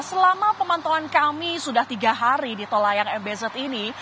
selama pemantauan kami sudah tiga hari di tol layang mbz ini